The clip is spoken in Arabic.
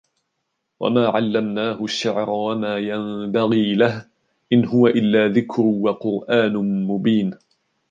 وَمَا عَلَّمْنَاهُ الشِّعْرَ وَمَا يَنْبَغِي لَهُ إِنْ هُوَ إِلَّا ذِكْرٌ وَقُرْآنٌ مُبِينٌ